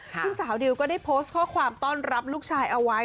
ซึ่งสาวดิวก็ได้โพสต์ข้อความต้อนรับลูกชายเอาไว้